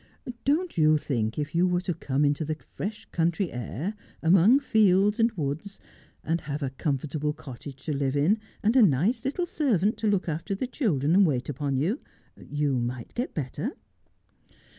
Don't you think if you were to come into the fresh count' v air, among fields and woods, and have a comfortable cottag' to live in, and a nice little servant to look after the children and wait upon you, you might get better